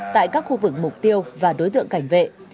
tại các khu vực mục tiêu và đối tượng cảnh vệ